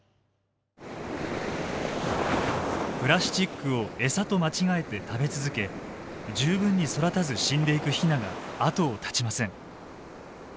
プラスチックを餌と間違えて食べ続け十分に育たず死んでいくヒナが後を絶ちません。